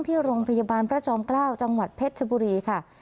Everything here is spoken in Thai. ที่โรงพยาบาลพระจอมเกล้าจังหวัดเพชรชบุรีค่ะ